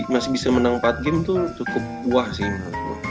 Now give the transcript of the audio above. masih bisa menang empat game tuh cukup buah sih